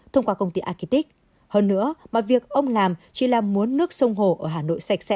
thông qua công ty architect hơn nữa mà việc ông làm chỉ là muốn nước sông hồ ở hà nội